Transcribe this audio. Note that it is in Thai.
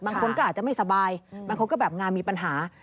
บางคนก็อาจจะไม่สบายบางคนก็แบบงานมีปัญหา